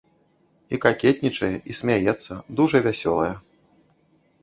І какетнічае, і смяецца, дужа вясёлая.